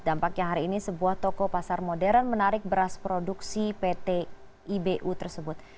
dampaknya hari ini sebuah toko pasar modern menarik beras produksi pt ibu tersebut